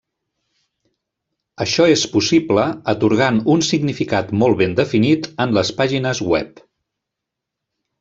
Això és possible atorgant un significat molt ben definit en les pàgines web.